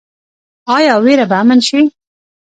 آیا ویره به امن شي؟